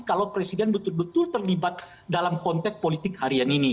kalau presiden betul betul terlibat dalam konteks politik harian ini